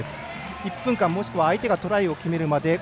１分間、もしくは相手がトライを取るまで。